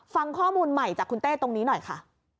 ฟังข้อมูลใหม่จากคุณเต้ตรงนี้หน่อยค่ะ